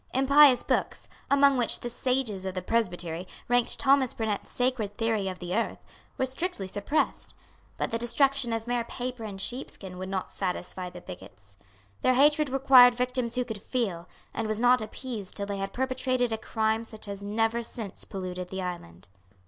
Impious books, among which the sages of the Presbytery ranked Thomas Burnet's Sacred Theory of the Earth, were strictly suppressed. But the destruction of mere paper and sheepskin would not satisfy the bigots. Their hatred required victims who could feel, and was not appeased till they had perpetrated a crime such as has never since polluted the island.